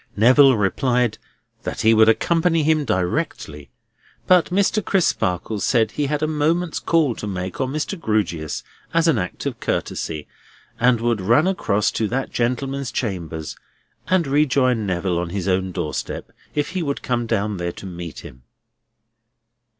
Neville replied, that he would accompany him directly. But Mr. Crisparkle said he had a moment's call to make on Mr. Grewgious as an act of courtesy, and would run across to that gentleman's chambers, and rejoin Neville on his own doorstep, if he would come down there to meet him.